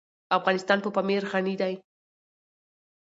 افغانستان په پامیر غني دی.